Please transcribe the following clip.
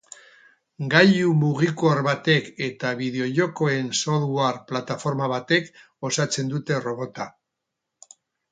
Gailu mugikor batek eta bideojokoen software plataforma batek osatzen dute robota.